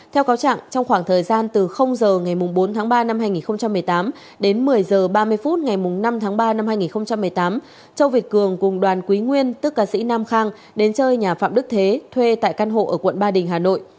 theo cáo trạng trong khoảng thời gian từ h ngày bốn tháng ba năm hai nghìn một mươi tám đến một mươi h ba mươi phút ngày năm tháng ba năm hai nghìn một mươi tám châu việt cường cùng đoàn quý nguyên tức ca sĩ nam khang đến chơi nhà phạm đức thế thuê tại căn hộ ở quận ba đình hà nội